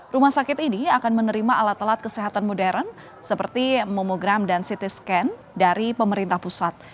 rumah sakit ini akan menerima alat alat kesehatan modern seperti momogram dan ct scan dari pemerintah pusat